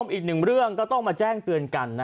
อีกหนึ่งเรื่องก็ต้องมาแจ้งเตือนกัน